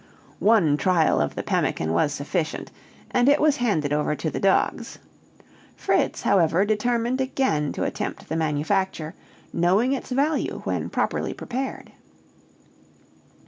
One trial of the pemmican was sufficient, and it was handed over to the dogs. Fritz, however, determined again to attempt the manufacture, knowing its value when properly prepared.